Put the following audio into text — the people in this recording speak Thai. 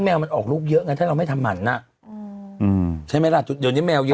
แมวมันออกลูกเยอะไงถ้าเราไม่ทำหมั่นอ่ะอืมใช่ไหมล่ะจุดยนต์ที่แมวเยอะ